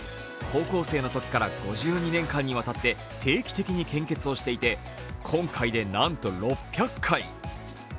高校生のときから５２年間にわたって定期的に献血をしていて、今回でなんと６００回。